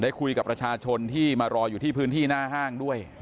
คุยกับประชาชนที่มารออยู่ที่พื้นที่หน้าห้างด้วย